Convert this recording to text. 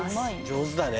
上手だね